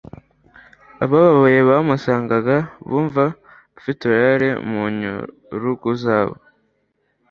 Abababaye bamusangaga bumvaga afite uruhare mu nyurugu zabo